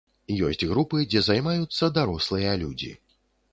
Ёсць групы, дзе займаюцца дарослыя людзі.